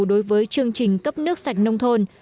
đối với chương trình cấp nước sạch nông thôn